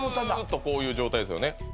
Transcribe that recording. ずーっとこういう状態ですよね